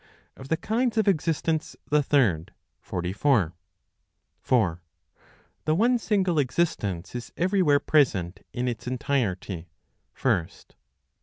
Of the Kinds of Existence, the Third, 44. 4. The One Single Existence is everywhere Present in its Entirety, First, 22.